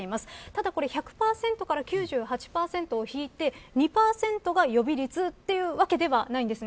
ただ１００％から９８％を引いて２％が予備率というわけではないんです。